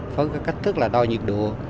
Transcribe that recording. phối các cách tức là đo nhiệt độ